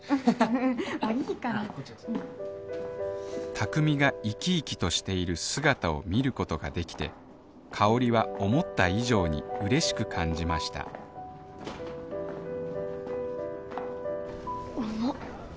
卓海が生き生きとしている姿を見ることができて香は思った以上に嬉しく感じました重っ。